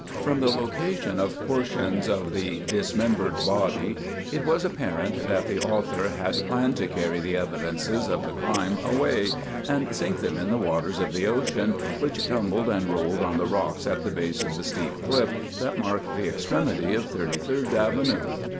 From the location of portions of the dismembered body it was apparent that the author had planned to carry the evidences of the crime away and sink them in the waters of the ocean, which tumbled and rolled on the rocks at the base of the steep cliff that marked the extremity of Thirty third Avenue.